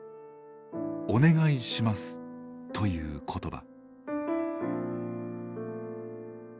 「お願いします」という言葉。